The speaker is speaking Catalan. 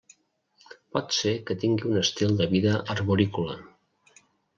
Pot ser que tingui un estil de vida arborícola.